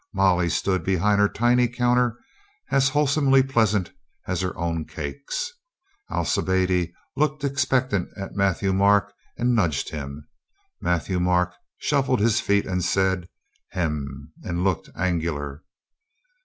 Molly stood behind her tiny counter as wholesomely pleasant as her own cakes. Alcibiade looked expectant at Matthieu Marc and nudged him. Matthieu Marc shuffled his feet and said, "Hem!" and looked angular.